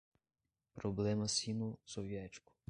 problema sino-soviético